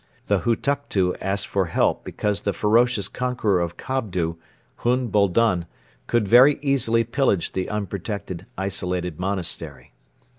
The Hutuktu asked for help because the ferocious conqueror of Kobdo, Hun Boldon, could very easily pillage the unprotected isolated monastery.